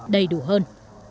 đầy đủ hơn